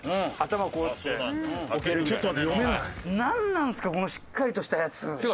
なんなんすかこのしっかりとしたやつ。